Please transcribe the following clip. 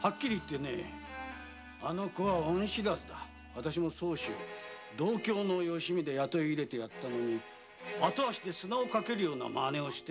わたしも相模同郷のよしみで雇い入れてやったのに後足で砂をかけるようなマネをして。